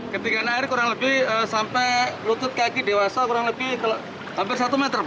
ketinggian air kurang lebih sampai lutut kaki dewasa kurang lebih hampir satu meter